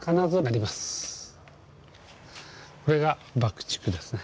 これが爆竹ですね。